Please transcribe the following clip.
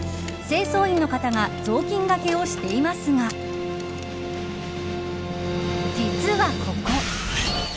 清掃員の方が雑巾がけをしていますが実はここ。